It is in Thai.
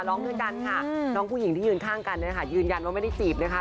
ร้องด้วยกันค่ะน้องผู้หญิงที่ยืนข้างกันเนี่ยค่ะยืนยันว่าไม่ได้จีบนะคะ